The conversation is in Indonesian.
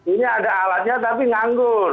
ini ada alatnya tapi nganggur